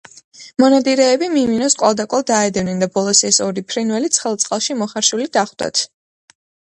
მონადირეები მიმინოს კვალდაკვალ დაედევნენ და ბოლოს ეს ორი ფრინველი ცხელ წყალში მოხარშული დახვდათ,